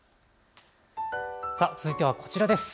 続いてはこちらです。